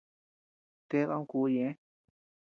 Ted ama kü ñeʼë.